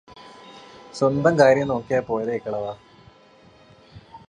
സ്വന്തം കാര്യം നോക്കിയാല് പോരെ കിളവാ